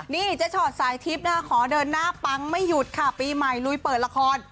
นี่เจ๊ชอตสายทิพย์นะคะขอเดินหน้าปังไม่หยุดค่ะปีใหม่ลุยเปิดละคร